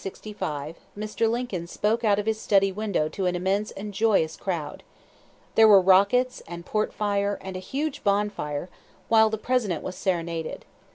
On April 11, 1865, Mr. Lincoln spoke out of his study window to an immense and joyous crowd. There were rockets, and portfire, and a huge bonfire, while the President was serenaded.